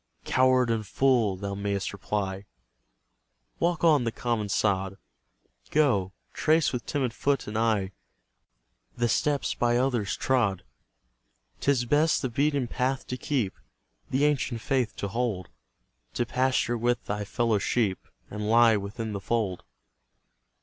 "Coward and fool!" thou mayst reply, Walk on the common sod; Go, trace with timid foot and eye The steps by others trod. 'Tis best the beaten path to keep, The ancient faith to hold; To pasture with thy fellow sheep, And lie within the fold.